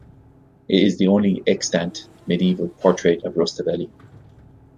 It is the only extant medieval portrait of Rustaveli.